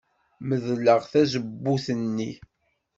Medleɣ tazewwut-nni.